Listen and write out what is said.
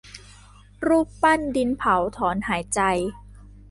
รูปปั้นดินเผาถอนหายใจ